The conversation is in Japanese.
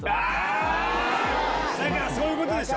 そういうことでしょ！